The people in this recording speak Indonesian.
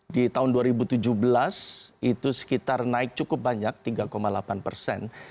di tahun dua ribu tujuh belas itu sekitar naik cukup banyak tiga delapan persen